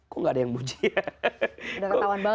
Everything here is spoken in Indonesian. kok gak ada yang muji ya